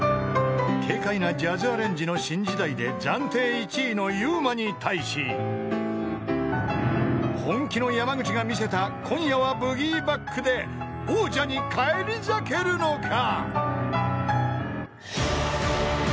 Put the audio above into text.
［軽快なジャズアレンジの『新時代』で暫定１位のｙｕｍａに対し本気の山口がみせた『今夜はブギー・バック』で王者に返り咲けるのか］